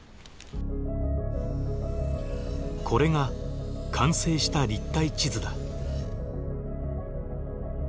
これが完成した立体地図だ。